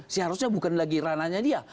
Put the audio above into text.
seharusnya bukan lagi ranahnya dia